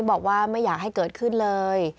บอกว่าไม่อยากให้เกิดขึ้นเลย